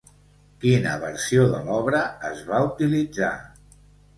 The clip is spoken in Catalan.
Quina versió de l'obra es va utilitzar?